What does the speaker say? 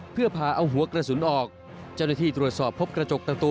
เพื่อพาเอาหัวกระสุนออกเจ้าหน้าที่ตรวจสอบพบกระจกประตู